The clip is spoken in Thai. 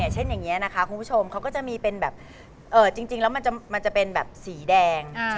เช่นอย่างนี้นะคะคุณผู้ชมเขาก็จะมีเป็นแบบจริงแล้วมันจะเป็นแบบสีแดง